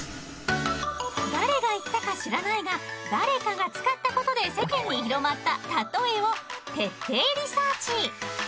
誰が言ったか知らないが誰かが使ったことで世間に広まった「たとえ」を徹底リサーチ！